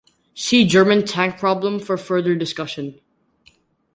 See German tank problem for further discussion.